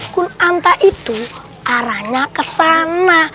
kunanta itu arahnya ke sana